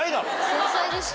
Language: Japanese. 繊細でした？